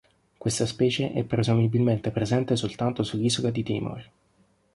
Questa specie è presumibilmente presente soltanto sull'isola di Timor.